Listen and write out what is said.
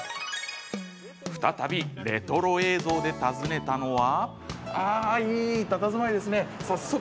再びレトロ映像で訪ねたのは。